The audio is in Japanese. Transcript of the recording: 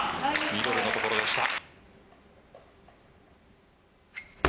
ミドルのところでした。